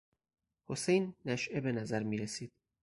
حسین نشئه به نظر میرسید.